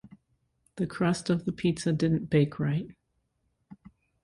The crust of the pizza didn't bake right.